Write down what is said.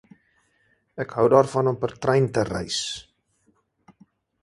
Ek hou daarvan om per trein te reis